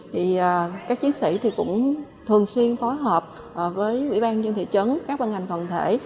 thì các chiến sĩ thì cũng thường xuyên phối hợp với quỹ ban dân thị trấn các bàn ngành toàn thể